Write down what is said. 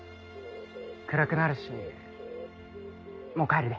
暗くなるしもう帰るで。